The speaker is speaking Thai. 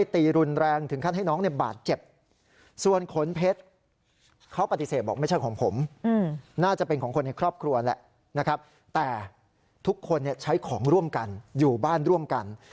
แต่ทุกคนใช้ของร่วมกันอยู่บ้านร่วมกัน